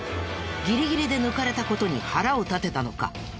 ギリギリで抜かれた事に腹を立てたのか？